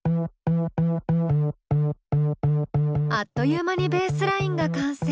あっという間にベースラインが完成。